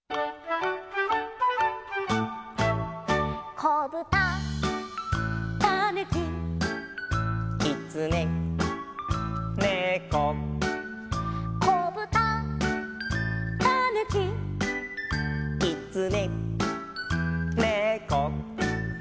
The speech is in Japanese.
「こぶた」「たぬき」「きつね」「ねこ」「こぶた」「たぬき」「きつね」「ねこ」